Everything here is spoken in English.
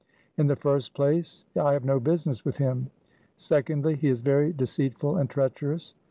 In the first place, I have no business with him. Secondly, he is very de ceitful and treacherous.